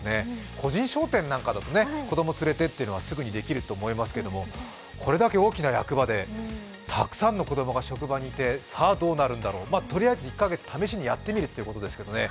個人商店なんかだと子供を連れてというのはすぐにできると思いますけども、これだけ大きな役場でたくさんの子供が職場にいてさあどうなるんだろう、とりあえず１か月試しにやってみるということですけどね